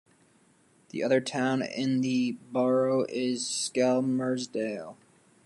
The other town in the borough is Skelmersdale.